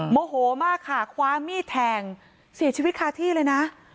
โมโหมากค่ะคว้ามีดแทงเสียชีวิตคาที่เลยนะ